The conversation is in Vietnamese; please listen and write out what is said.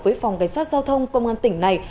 với phòng cảnh sát giao thông công an tỉnh này